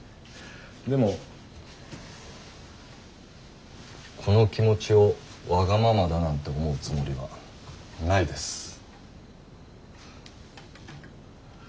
でもこの気持ちをワガママだなんて思うつもりはないです。